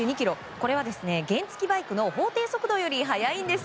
これは原付きバイクの法定速度より速いんです。